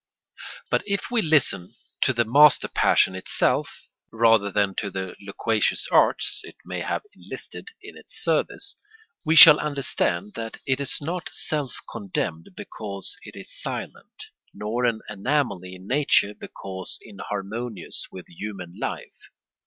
But if we listen to the master passion itself rather than to the loquacious arts it may have enlisted in its service, we shall understand that it is not self condemned because it is silent, nor an anomaly in nature because inharmonious with human life.